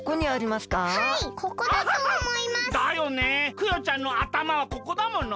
クヨちゃんのあたまはここだもの。